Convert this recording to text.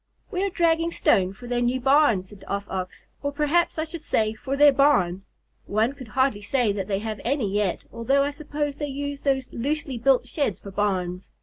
"We are dragging stone for their new barn," said the Off Ox. "Or perhaps I should say for their barn. One could hardly say that they have any yet, although I suppose they use those loosely built sheds for barns.